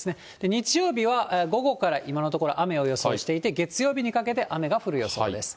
日曜日は午後から今のところ雨を予想していて、月曜日にかけて雨が降る予想です。